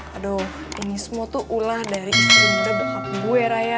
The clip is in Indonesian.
aduh ini semua tuh ulah dari istri muda bekap gue raya